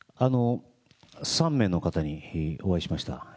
３名の方にお会いしました。